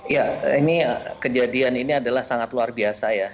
ya ini kejadian ini adalah sangat luar biasa ya